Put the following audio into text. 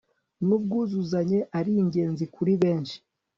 n ubwuzuzanye ari ingenzi kuri benshi